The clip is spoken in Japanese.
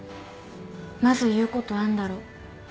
「まず言うことあんだろ」